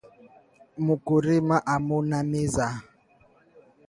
Muku rima amuna miza